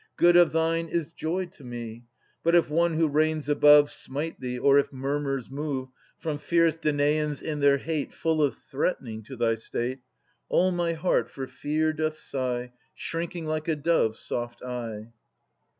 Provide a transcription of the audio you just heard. Good of thine is joy to me ; But if One who reigns above Smite thee, or if murmurs move From fierce Danaans in their hate Full of threatening to thy state, All my heart for fear doth sigh, Shrinking like a dove's soft eye.